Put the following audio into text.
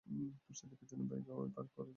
স্টেজের পেছনে বাইক ওই পার্ক করে রেখেছে।